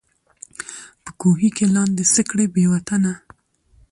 په کوهي کي لاندي څه کړې بې وطنه